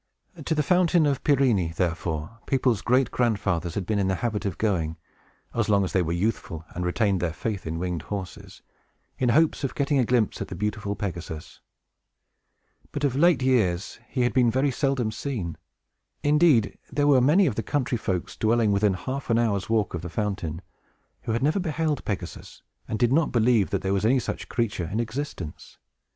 To the Fountain of Pirene, therefore, people's great grandfathers had been in the habit of going (as long as they were youthful, and retained their faith in winged horses), in hopes of getting a glimpse at the beautiful Pegasus. But, of late years, he had been very seldom seen. Indeed, there were many of the country folks, dwelling within half an hour's walk of the fountain, who had never beheld Pegasus, and did not believe that there was any such creature in existence.